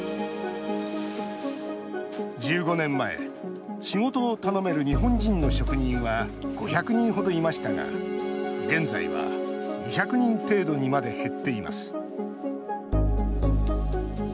１５年前、仕事を頼める日本人の職人は５００人程いましたが現在は２００人程度にまで減っています。